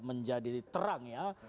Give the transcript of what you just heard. menjadi terang ya